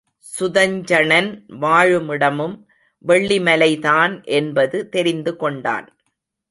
சுதஞ்சணன் வாழுமிடமும் வெள்ளிமலைதான் என்பது தெரிந்து கொண்டான்.